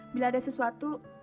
bila ada sesuatu